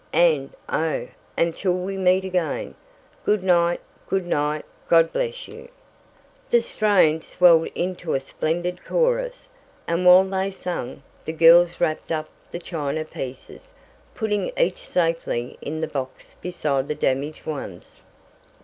And, oh, until we meet again, Good night! Good night! God bless you!" The strain swelled into a splendid chorus, and, while they sang, the girls wrapped up the china pieces, putting each safely in the box beside the damaged ones.